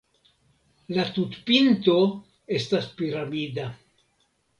La tutpinto estas piramida.